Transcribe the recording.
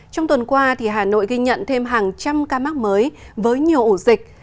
trong tuần qua hà nội ghi nhận thêm hàng trăm ca mắc mới với nhiều ổ dịch